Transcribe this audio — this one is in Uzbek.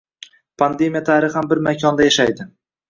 Pandemiya tarixan bir makonda yashaydi.